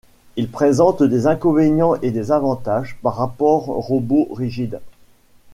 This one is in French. Ils présentent des inconvénients et avantages par rapport robots rigides.